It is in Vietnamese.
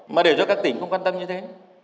mà để cho các tỉnh không quan tâm như thế